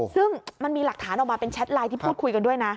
ซึ่งมันมีหลักฐานออกมาเป็นแชทไลน์ที่พูดคุยกันด้วยนะ